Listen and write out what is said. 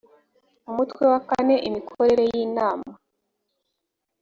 umutwe wa kane imikorere y inama